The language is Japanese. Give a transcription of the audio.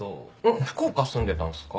福岡住んでたんすか？